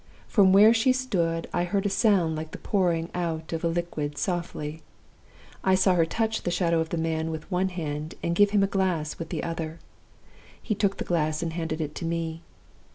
From where she stood, I heard a sound like the pouring out of a liquid softly. I saw her touch the Shadow of the Man with one hand, and give him a glass with the other. He took the glass and handed it to me.